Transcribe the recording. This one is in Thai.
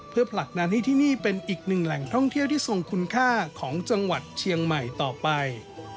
เพื่อผลักดันให้ที่นี่เป็นอีกหนึ่งแหล่งท่องเที่ยวที่ทรงคุณค่าของจังหวัดเชียงใหม่ต่อไป